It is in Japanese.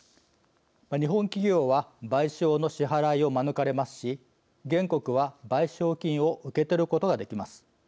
日本企業は賠償の支払いを免れますし、原告は賠償金を受け取ることができます。